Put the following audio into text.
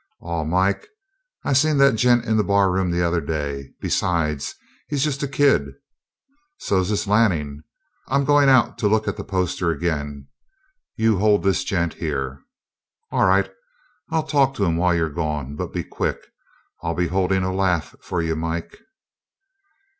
"Aw, Mike, I seen that gent in the barroom the other day. Besides, he's just a kid." "So's this Lanning. I'm going out to look at the poster again. You hold this gent here." "All right. I'll talk to him while you're gone. But be quick. I'll be holdin' a laugh for you, Mike."